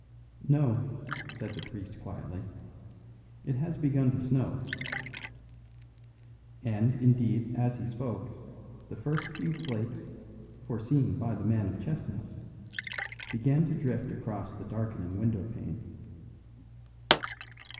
"No," said the priest quietly, "it has begun to snow." And, indeed, as he spoke, the first few flakes, foreseen by the man of chestnuts, began to drift across the darkening windowpane.